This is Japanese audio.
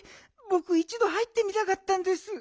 ぼくいちど入ってみたかったんです。